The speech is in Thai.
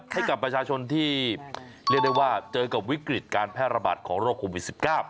ให้กับประชาชนที่เรียกได้ว่าเจอกับวิกฤตการแพร่ระบาดของโรคโควิด๑๙